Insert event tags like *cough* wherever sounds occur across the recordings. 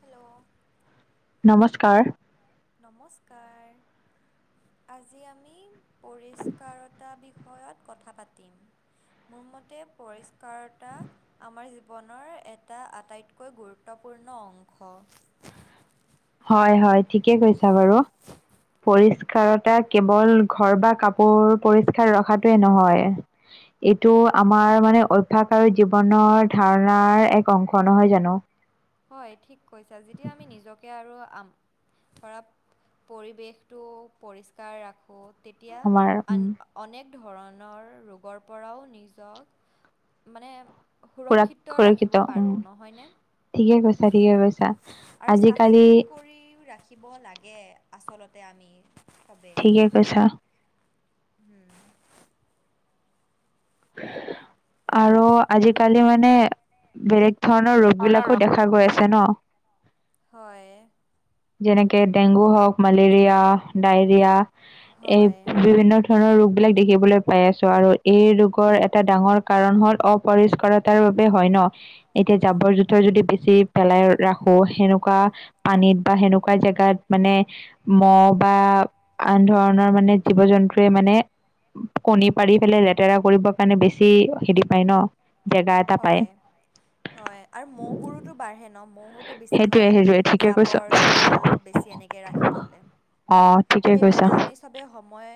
Hello. নমস্কাৰ। নমস্কাৰ। আজি আমি পৰিষ্কাৰতা বিষয়ত কথা পাতিম। মোৰ মতে পৰিষ্কাৰতা আমাৰ জীৱনৰ এটা আটাইতকৈ গুৰুত্বপূৰ্ণ অংশ। হয়, হয়, ঠিকে কৈছা বাৰু পৰিস্কাৰতা কেৱল ঘৰ বা কাপো কাপোৰ পৰিষ্কাৰ ৰখাতোৱে নহয়। এইটো আমাৰ মানে অভ্যাস আৰু জীৱনৰ ধাৰণাৰ এক অংশ নহয় জানো? হয়, ঠিক কৈছা। যেতিয়া আমি নিজকে আৰু আমা ধৰা পৰিৱেশটো পৰিষ্কাৰ ৰাখোঁ আমাৰ তেতিয়া উম, আন অনেক ধৰণৰ ৰোগৰ পৰাও নিজক মানে সুৰাক সুৰক্ষিত ৰাখিব উম, পাৰোঁ নহয়নে? ঠিকে কৈছা ঠিকে কৈছা আৰু চাফ আজিকালি চিকুণ কৰি ৰাখি খিব লাগে আচলতে আমি চবেই। ঠিকে কৈছা। হম। আৰু আজিকালি মানে বেলেগ ধৰণৰ ৰোগবিলাকো দেখা গৈ আছে ন। হয়। যেনেকে ডেংগু হওঁক মেলেৰিয়া, ডায়ৰিয়া হয় এই বিভিন্ন ধৰণৰ ৰোগবিলাক দেখিবলৈ পাই আছো আৰু এই ৰোগৰ এটা ডাঙৰ কাৰণ হ'ল অ পৰিষ্কাৰতাৰ বাবে হয় ন। এতিয়া জাবৰ- জোথৰ যদি বেছি পেলাই ৰাখোঁ, সেনেকুৱা পানীত বা সেনেকুৱা জেগাত মানে মহ' বা আন ধৰণৰ মানে জীৱ- জন্তুৱে মানে কণী পাৰি পেলাই লেতেৰা কৰিব কাৰণে বেছি হেৰি পায় ন। জেগা এটা পায় হয়- হয়, আৰু মহ'বোৰোতো বাঢ়ে ন মহ' টো বেছি সেইটোয়ে হয়। সেইটোয়ে ঠিকে কৈছ জাবৰ- জোতল বেছি এনেকে ৰাখি থ'লে। অ, ঠিকে সেইবাবে কৈছা। আমি চবে সময়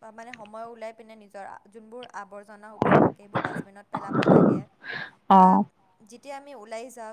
বা মানে সময় ওলাই পিনে নিজৰ যোনবোৰ আৱৰ্জনা সোপা থাকে, সেইবোৰ ডাষ্টবিনত থ'ব লাগে অ বা যেতিয়া আমি ওলাই যাওঁ,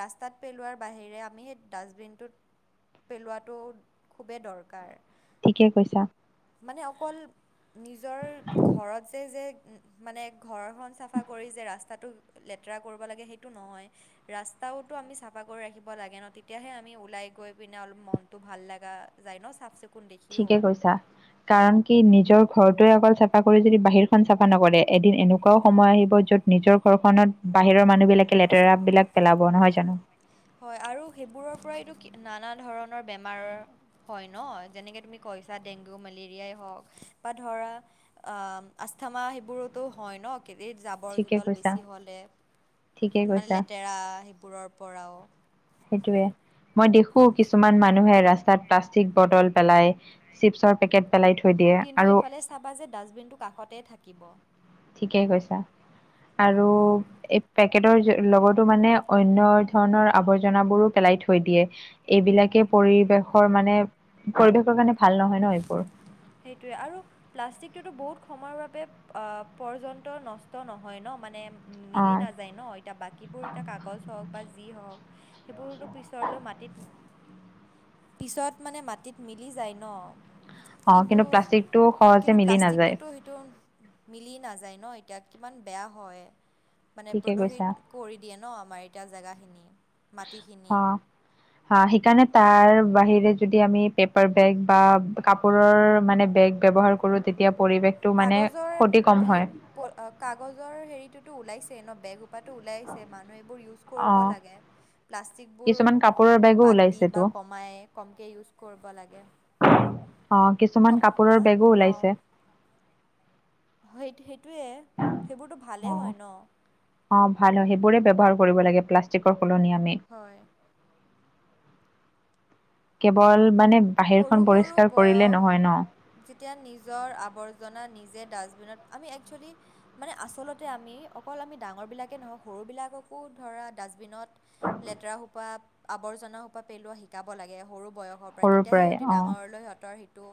ৰাস্তাত পেলোৱাৰ বাহিৰে আমি সেই ডাষ্টবিনটোত পেলোৱাটো খুবেই দৰকাৰ। ঠিকে কৈছা। মানে অকল নিজৰ ঘৰত যে- যে মানে ঘৰখন চাফ চাফা কৰি যে, ৰাস্তাটো লেতেৰা কৰিব লাগে সেইটো নহয়। ৰাস্তাওটো আমি চাফা কৰি ৰাখিব লাগে ন, তেতিয়াহে আমি ওলাই গৈ পিনে অলপ মন ভাল লাগা যায় ন, চাফ চিকুন ঠিকে কৈছা। কাৰণ কি নিজৰ ঘৰটোৱে অকল চাফা কৰি যদি বাহিৰ খন চাফা নকৰে এদিন এনেকুৱাও সময় আহিব য'ত নিজৰ ঘৰখনত বাহিৰৰ মানুহবিলাকে লেতেৰা বিলাক পেলাব নহয় জানো। হয় আৰু সেইবোৰৰ পৰাইতো নানা ধৰণৰ বেমাৰৰ হয় ন, যেনেকে তুমি ডেংগু, মেলেৰিয়াই হওঁক বা ধৰা আস্থামা সেইবোৰতো হয় ন জাবৰ- ঠিকে জোতল কৈছা বেছি হ'লে। ঠিকে মানে কৈছা লেতেৰা সেইবোৰৰ পৰাও। সেইটোয়ে, মই দেখোঁ কিছুমান মানুহে ৰাস্তাত। প্লাষ্টিক বটল পেলাই চিপছৰ পেকেট পেলাই থৈ দিয়ে। কিন্তু আৰু এইফালে চাবা যে ডাষ্টবিনটো কাষতে থাকিব। ঠিকেই কৈছা, আৰু উম, এই পেকেটৰ লগতো মানে অন্য ধৰণৰ আৱৰ্জনাবোৰো পেলাই থৈ দিয়ে। এইবিলাকে পৰিৱেশৰ মানে, পৰিৱেশৰ কাৰণে ভাল নহয় ন এইবোৰ। সেইটোৱে, আৰু প্লাষ্টিকটোতো বহুত সময়ৰ বাবে পৰ্যন্ত নষ্ট নহয় ন, মানে উম মিলি অ নাযায় ন। এতিয়া বাকীবোৰ এতিয়া কাগজ হওক বা যি হওক সেইবোৰতো পিছৰলৈ মাটিত পিছত মানে মাটিত মিলি যায় ন। অ কিন্তু- প্লাষ্টিকটো সহজে কিন্তু মিলি নাযায় প্লাষ্টিকটোতো সেইটো সেইটো মিলি নাযায় ন। এতিয়া কিমান বেয়া হয়, মানে ঠিকে প্ৰদূষিত কৈছা কৰি দিয়ে ন, আমাৰ এতিয়া জেগাখিনি। মাটিখিনি অ। *unintelligible* সেইকাৰণে তাৰ বাহিৰে যদি আমি পেপাৰ বেগ বা কাপোৰৰ মানে বেগ ব্যৱহাৰ কৰ কৰোঁ, তেতিয়া পৰিৱেশ কাগজৰ- কাগজৰ হেৰিটোতো ওলাইছেই ন, বেগ। তো ওলাইছে মানুহ, এইবোৰ ইউজ অ কৰিব লাগে। প্লাষ্টিকবোৰ কিছুমান কাপোৰৰ বেগো বাদ দি ওলাইছেতো বা কমাই কমকে ইউজ কৰিব লাগে। অ' কিছুমান ক কাপোৰৰ হা বেগো অ' ওলাইছে সেই সেইটোয়ে সেইবোৰতো ভালে অ হয় ন। অ' ভাল হয় সেইবোৰে ব্যৱহাৰ কৰিব লাগে প্লাষ্টিকৰ সলনি আমি। হয়। কেৱল মানে সৰু বাহিৰখন সৰু পৰিষ্কাৰ কৰিলে বয়স নহয় ন। যেতিয়া নিজৰ আৱৰ্জনা নিজে ডাষ্টবিনত আমি এক্সয়েলি আচলতে আমি অকল আমি ডাঙৰবিলাকে নহয় সৰুবিলাককো ডাষ্টবিনত লেতেৰা সোপা আৱৰ্জনা সোপা পেলোৱা শিকাব লাগে সৰু বয়সত। সৰু সেই সিহঁতি ডাঙৰলৈ সিহঁতৰ সিটো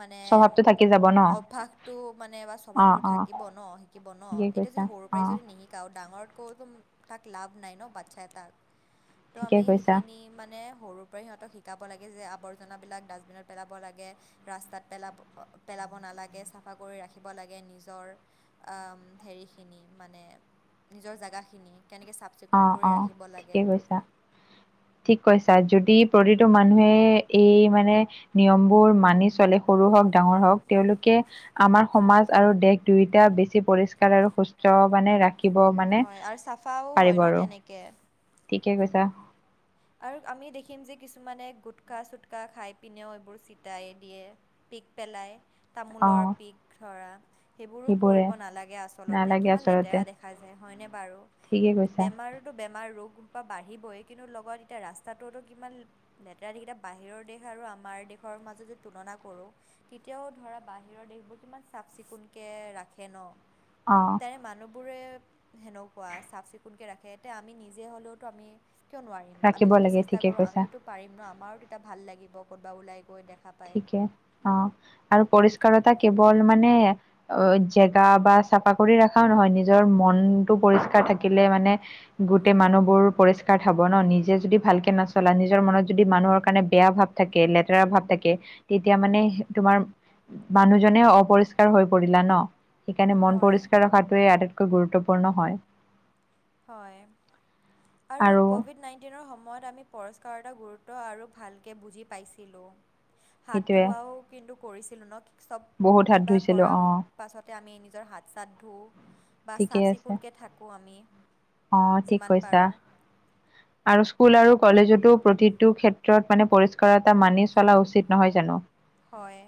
মানে স্বভাৱটো থাকি যাব ন অভ্যয়াসতটো মানে বা অ স্বভাৱতটো অ থাকিব ন শিকিব ন ঠিকে এতিয়া যদি কৈছা সৰুৰ অ পৰাই যদি নিশিকে কাৰু ডাঙৰতকৈতো তাক লাভ নাই ন বাচ্ছা এটাক ত' ঠিকে আমি কৈছা সেখিনি মানে সৰুৰ পৰাই সিহঁতক শিকাব লাগে যে আৱৰ্জনাবিলাক ডাষ্টবিনত পেলাব লাগে। ৰাস্তাত পেলাব, পেলাব নালাগে। চফা কৰি ৰাখিব লাগে নিজৰ অ' হেৰিখিনি মানে নিজৰ জাগাখিনি কেনকে চাফ অ চিকুণ কৰি অ ৰাখিব লাগে। ঠিকে কৈছা ঠিক কৈছা যদি প্ৰতিটো মানুহে এই মানে নিয়ম বোৰ মানি চলে সৰু হওক, ডাঙৰ হওক তেওঁলোকে আমাৰ সমাজ আৰু দেশ দুয়োটা বেছি পৰিষ্কাৰ আৰু সুস্থ মানে ৰাখিব মানে পাও পাৰিব হয় ন আৰু তেনেকে। ঠিকে কৈছা। আৰু আমি দেখিম যে কিছুমানে গোটকা-চুটকা খাই পিনেও এইবোৰ ছিটাই দিয়ে। পিক পেলাই অ তামোলৰ পিক ধৰা। সেইবোৰো সেইবোৰে কৰিব নালাগে আচলতে নালাগে কিমান আচলতে লেতেৰা দেখা যায় হয়নে বাৰু। ঠিকে কৈছা বেমাৰ টো বেমাৰ ৰোগ বা বাঢ়িবই কিন্তু লগত এতিয়া ৰাস্তাটোতো কিমান- লেতেৰাকেইটা বাহিৰৰ দেশ আৰু আমাৰ দেশৰ মাজত যদি তুলনা কৰোঁ। তেতিয়াও ধৰা বাহিৰৰ দেশবোৰ কিমান চাফ-চিকুণকে ৰাখে ন। অ', তেনে মানুহবোৰে সেনেকুৱা চাফ-চিকুণকে ৰাখে এতিয়া আমি নিজে হলেওতো আমি কিয় নোৱাৰিম। আমি ৰাখিব যদি লাগে চেষ্টা ঠিকে কৰোঁ কৈছা আমিওতো পাৰিম ন আমাৰো তেতিয়া ভাল লাগিব ক'তবা ওলাই গৈ দেখা পায় ঠিকে অ' আৰু পৰিষ্কাৰ এটা কেৱল মানে অ' জেগা বা চাফা কৰি ৰাখাও নহয় নিজৰ মনটো পৰিষ্কাৰ থাকিলে মানে গোটেই মানুহবোৰ পৰিষ্কাৰ থব ন নিজে যদি ভালকে নচলা নিজৰ মনত যদি মানুহৰ কাৰণে বেয়া ভাৱ থাকে লেতেৰা ভাৱ থাকে। তেতিয়া মানে তোমাৰ মানুহজনে অপৰিষ্কাৰ হৈ পৰিলা ন। সেইকাৰণে মন হয় পৰিষ্কাৰ ৰখাটোৱে আটাইতকৈ গুৰুত্বপূৰ্ণ হয়। হয় আৰু কভিড নাই ইটিনৰ সময়ত আমি পুৰস্কাৰ এটা গুৰুত্ব আৰু ভালকৈ বুজি পাইছিলো। হাত সেইটোৱে ধোৱাও কিন্তু কৰিছিলো ন চব বহুত হাত কিবা ধুইছিলো অ কৰাম পাছতে আমি নিজৰ হাত চাত ধুও বা ঠিকে চাফ আছে চিকুণকৈ থাকো আমি। অ' ঠিক যিমান কৈছা। পাৰোঁ আৰু স্কুল আৰু কলেজতো প্ৰতিটো ক্ষেত্ৰত মানে পৰিষ্কৰতা মানি চলা নহয় জানো। হয়।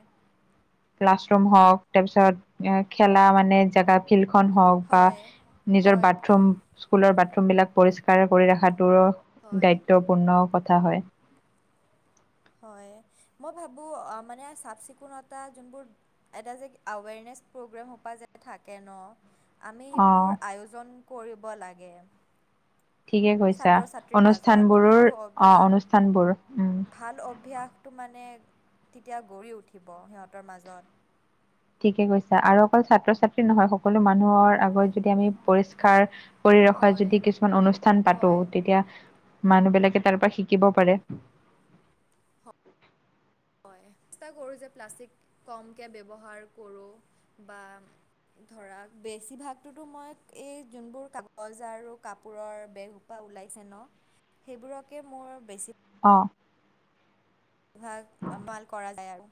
ক্লাছৰুম হওঁক তাৰপিছত খেলা মানে জেগা ফিল্ড খন হওঁক বা হয় নিজৰ হয় বাথৰুম স্কুলৰ বাথৰুম বিলাক পৰিষ্কাৰ কৰি ৰখাটোৰো হয় দায়িত্বপূৰ্ণ কথা হয়। হয়। মই ভাবোঁ মানে চাফ চিকুণতা যোনবোৰ এটা যে এ'ৱেৰনেছ প্ৰগ্ৰেমসোপা যে থাকে ন। আমি সেইবোৰ অ' আয়োজন কৰিব লাগে। ঠিকে কৈছা ছাত্ৰ ছাত্ৰীৰ মাজত অনুষ্ঠানবোৰৰ সেইটো অ' অভ্যাস, অনুষ্ঠানবোৰ উম ভাল অভ্যাস টো মানে তেতিয়া গঢ়ি উঠিব সিহঁতৰ মাজত। ঠিকে কৈছা, আৰু অকল ছাত্ৰ ছাত্ৰী নহয় সকলো মানুহৰ আগত যদি আমি পৰিষ্কাৰ কৰি ৰখা হয়, যদি কিছুমান অনুষ্ঠান পাতো, হয়, তেতিয়া মানুহ বিলাকে তাৰ পৰা শিকিব পাৰে। হয়। চেষ্টা কৰোঁ যে প্লাষ্টিক কমকে ব্যৱহাৰ কৰো। বা ধৰা বেছিভাগটোতো মই এই যোনবোৰ কাগজ আৰু কাপোৰৰ বেগ পা ওলাইছে ন, সেইবোৰকে মোৰ বেছি অ'। ভাগ ভাল কৰা যায় আৰু।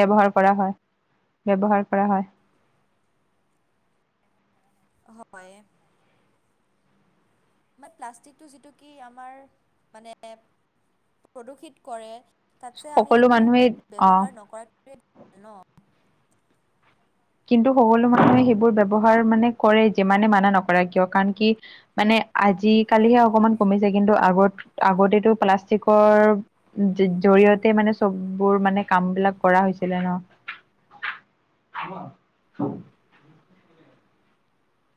ব্যৱহাৰ কৰা হয়, ব্যৱহাৰ কৰা হয়। হয়। মানে প্লাষ্টিকটো যিটো কি আমাৰ মানে প্ৰদূষিত কৰে তাতছে আমি সকলো সেটো মানুহে অ ব্যৱহাৰ নকৰাটোয়ে ভাল ন'? কিন্তু সকলো মানুহে সেইবোৰ ব্যৱহাৰ মানে কৰে যিমানে মানা নকৰা কিয়। কাৰণ কি মানে আজিকালিহে হয়। অকমান কমিছে, কিন্তু আগত আগতেতো প্লাষ্টিকৰ জৰিয়তে মানে চববোৰ মানে কাম বিলাক কৰা হৈছিলে ন'। *unintelligible* *unintelligible*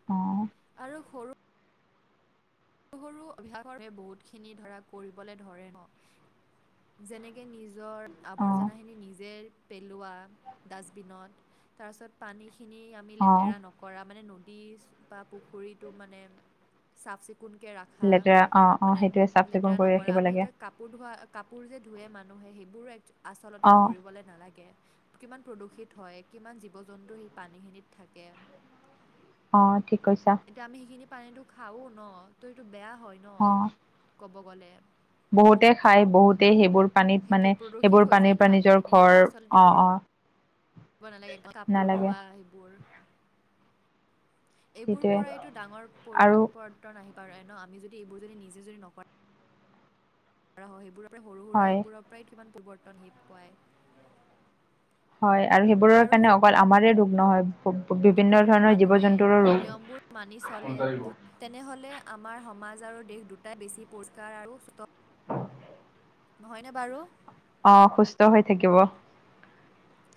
অ'। আৰু সৰু সৰু সৰু‌ অভ্যাসৰ বাবে বহুত খিনি ধৰা কৰিবলৈ ধৰে ন'। যেনেকে নিজৰ অ আৱৰ্জনাখিনি নিজে পেলোৱা ডাষ্টবিনত, তাৰপিছত পানী পানীখিনি অ লেটেৰা নকৰা মানে নদী বা পুখুৰীটো মানে চাফ-চিকু কুন কে ৰাখা লেতেৰা অ অ মানে সেইটোৱে চাফ চিকুণ লেটেৰা কৰি নকৰা, ৰাখিব আমি লাগে এতিয়া কাপোৰ ধোৱা কাপোৰ যে ধোৱে মানুহে সেইবোৰো আচলতে অ কৰিবলৈ নালাগে। কিমান প্ৰদূষিত হয় কিমান জীৱ জন্তু সেই পানীখিনিত থাকে। অ' ঠিক কৈছা। এতিয়া আমি সেইখিনি পানীটো খাও ন, ত এইটো বেয়া হয় অ ন' ক'ব গ'লে। বহুতে খাই বহুতেই সেইবোৰ পানীত সেইটোৱে মানে প্ৰদূষিত সেইবোৰ হৈ যায় পানীৰ ন পৰা নিজৰ পানীখিনি সেইটো ঘৰ আচলতে অহ অহ কৰিব নালাগে, কাপোৰ ধোৱা সেইবোৰ এইবোৰ সেইটোৱে পৰাইতো ডাঙৰ আৰু পৰিত পৰ্তন আহি পাৰে ন', আমি যদি এইবোৰ যদি নিজে যদি নক ৰা হয় সেইবোৰৰ পৰা সৰু সুৰা হয় সেইবোৰৰ পৰাই সমান পৰিৱৰ্তন *unintelligible* পাই হয়। আৰু সেইবোৰৰ কাৰণে অকল আমাৰে দোষ নহয়। যদি বিভিন্ন প্ৰতিটো ধৰণৰ জীৱ মানুহে জন্তুৰ নিয়মবোৰ মানি চলে ৰোগ তেনেহ'লে আমাৰ সমাজ আৰু দেশ দুটাই বেছি পৰিষ্কাৰ আৰু নহয়নে বাৰু? অ' সুস্থ হৈ থাকিব।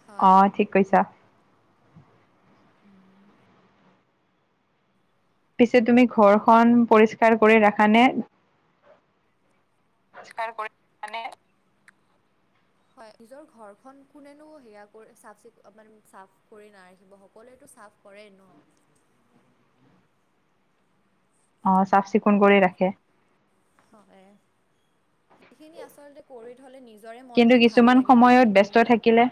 হয় অ' ঠিক কৈছা। উম। পিছে তুমি ঘৰখন পৰিস্কাৰ কৰি ৰাখা নে? পৰিষ্কাৰ কৰি মানে হয় নিজৰ ঘৰখন কোনেনো সেয়া কৰি চাফ - মানে চাফ কৰি নাৰাখিব সকলোৱতো চাফ কৰেই ন'। অ' চাফ চিকুণ কৰি ৰাখে। হয়। সেইখিনি আচলতে কৰি থ'লে নিজৰে কিন্তু মনটো ভাল কিছুমান লাগে সময়ত দেখি ব্যস্ত পিনে। থাকিলে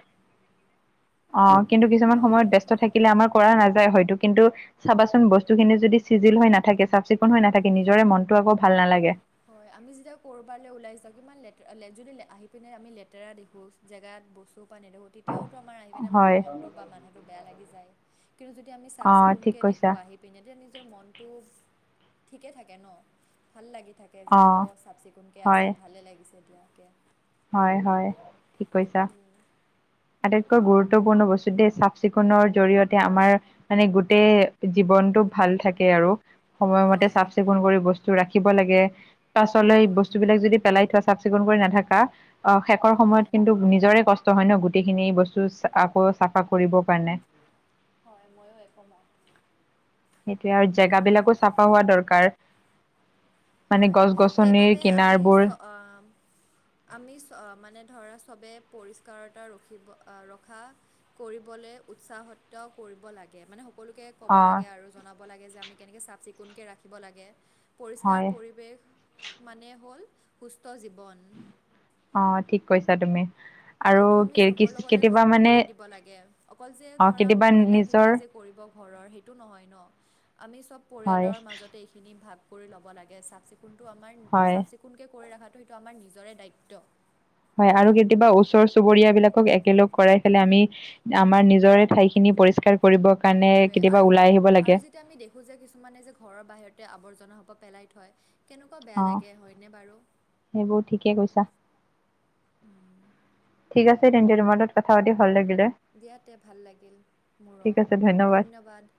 অ' কিন্তু কিছুমান হয় সময়ত ব্যস্ত থাকিলে আমাৰ কৰা হয়তো কিন্তু চাবাচোন বস্তুখিনি যদি চিজিল হৈ নাথাকে চাফ চিকুণ হৈ নাথাকে নিজৰে মনটো আকৌ ভাল নালাগে। হয়। আমি যেতিয়া কৰ'বালে ওলাই যাওঁ ইমান লতে- যদি আহি পিনে আমি লেতেৰা দেখো জেগাত বস্তু পৰা নেদেখোঁ তেতিয়াওতো আমাৰ আহি পিনে হয় মনটো বা মানুহটো বেয়া লাগি যায়। কিন্তু যেতিয়া আমি চাফ অ ঠিক চিকুণকৈ কৈছা দেখোঁ আহি তেতিয়া নিজৰ মনটো ঠিকে‌ থাকে ন' ভাল লাগে তাকে যে অ' চাফ চিকুণকৈ আছে হয় ভালে লাগিছে দিয়াকে হয়, হয় ঠিক কৈছা। উম। আটাইতকৈ গুৰুত্বপূৰ্ণ বস্তু দেই চাফ চিকুণৰ জৰিয়তে আমাৰ মানে গোটেই জীৱনতটো ভাল থাকে আৰু। সময়মতে হয় চাফ চিকুণ কৰি বস্তু ৰাখিব লাগে, পাছলৈ হয় বস্তু বিলাক যদি পেলাই থোৱা চাফ চিকুণ কৰি নাথাকা, অ' শেষৰ সময়ত হয়। কিন্তু নিজৰে কষ্ট হয় ন, গোটেইখিনি বস্তু আকৌ চাফা কৰিবৰ কাৰণে। হয় ময়ো একমত। সেইটোয়ে, আৰু জেগা বিলাকো চাফা হোৱা দৰকাৰ। মানে হয়। গছ গছনিৰ সেইবাবে আমি কিনাৰবোৰ চ আমি মানে ধৰা চবে পৰিষ্কাৰতা ৰখিব ৰখা কৰিবলৈ উৎসাহত কৰিব লাগে। মানে সকলোকে ক'ব অ লাগে আৰু জনাব লাগে যে আমি কেনেকৈ চাফ চিকুণকৈ ৰাখিব লাগে। পৰিষ্কাৰ হয় পৰিৱেশ মানে হ'ল সুস্থ জীৱন। অ' ঠিক কৈছা তুমি। আৰু এইটো আমি চবৰ লগতে কেতিয়াবা ভাগ মানে কৰি দিব লাগে, অকল যে অ ধৰা কেতিয়াবা নিজৰ মহিলাখিনিয়ে যে কৰিব ঘৰৰ, সেইটো নহয় ন আমি চব হয় পৰিয়ালৰ মাজতে এইখিনি ভাগ কৰি ল'ব লাগে। চাফ চিকুণটো আমাৰ হয় চাফ চিকুণকৈ কৰি ৰখাটো সেইটো আমাৰ নিজৰে দায়িত্ব। হয়। আৰু কেতিয়াবা ওচৰ চুবুৰীয়া বিলাকক একেলগ কৰাই পেলাই আমি আমাৰ নিজৰে ঠাইখিনি পৰিষ্কাৰ কৰিবৰ কাৰণে কেতিয়াবা ওলাই আহিব লাগে। তিয়া আমি দেখো যে কিছুমানে যে ঘৰৰ বাহিৰতে আৱৰ্জনা খোপা পেলাই থয়। কেনেকুৱা বেয়া অ লাগে হয়নে বাৰু? সেইবোৰ ঠিকে কৈছা। ঠিক আছে তোমাৰ তেন্তে তোমাৰ কথা পাতি ভাল লাগিলে। দিয়া তে ভাল লাগিল মোৰো ঠিক আছে ধন্যবাদ।